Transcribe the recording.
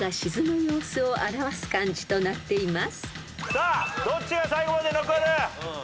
さあどっちが最後まで残る？